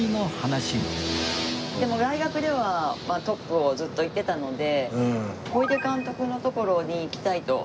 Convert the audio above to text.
でも大学ではトップをずっといってたので小出監督のところに行きたいと。